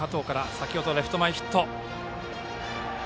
先程はレフト前ヒット。